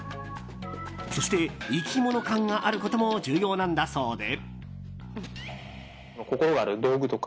そして、生き物感があることも重要なんだそうで。